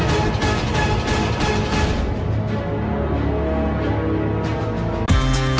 โปรดติดตามตอนต่อไป